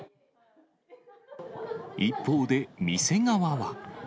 一方で、店側は。